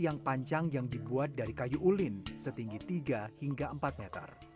yang panjang yang dibuat dari kayu ulin setinggi tiga hingga empat meter